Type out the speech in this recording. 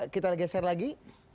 kita geser lagi